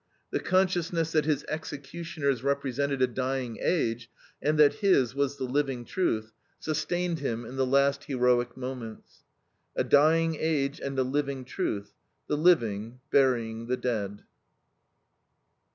The consciousness that his executioners represented a dying age, and that his was the living truth, sustained him in the last heroic moments. A dying age and a living truth, The living burying the dead.